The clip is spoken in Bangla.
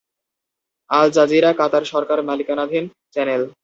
আল জাজিরা কাতার সরকার মালিকানাধীন চ্যানেল।